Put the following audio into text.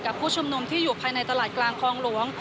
ผู้ชุมนุมที่อยู่ภายในตลาดกลางคลองหลวง